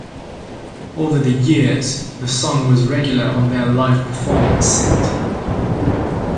Over the years, the song was regular on their live performance set.